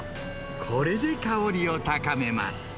これで香りを高めます。